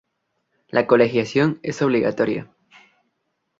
La colegiación es obligatoria.